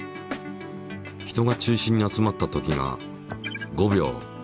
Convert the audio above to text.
人が中心に集まったときが５秒。